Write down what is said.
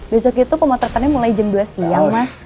besok itu pemotretannya mulai jam dua siang mas